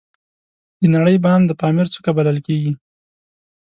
د نړۍ بام د پامیر څوکه بلل کیږي